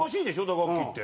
打楽器って。